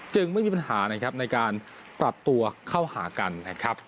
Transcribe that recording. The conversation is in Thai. ไม่มีปัญหานะครับในการปรับตัวเข้าหากันนะครับ